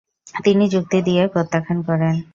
তিনি যুক্তি দিয়ে প্রত্যাখান করেন।